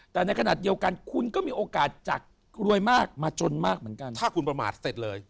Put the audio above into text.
แต่ในขณะเดียวกันคุณก็มีโอกาสจากรวยมากมาจนมากเหมือนกันถ้าคุณประมาทเสร็จเลย